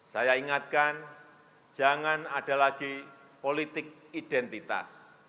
saya ingatkan jangan ada lagi politik identitas